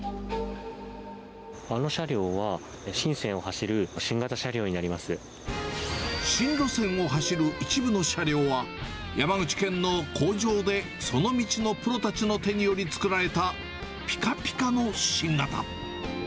あの車両は、新路線を走る一部の車両は、山口県の工場で、その道のプロたちの手により造られた、ぴかぴかの新型。